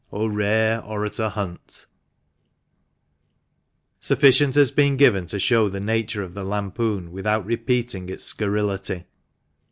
O rare Orator Hunt ! Sufficient has been given to show the nature of the lampoon without repeating its scurrility.